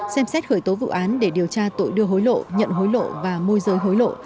xem xét khởi tố vụ án để điều tra tội đưa hối lộ nhận hối lộ và môi rời hối lộ